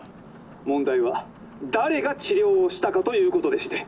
「問題は誰が治療をしたかということでして」。